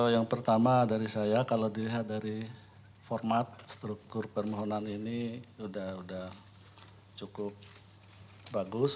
yang pertama dari saya kalau dilihat dari format struktur permohonan ini sudah cukup bagus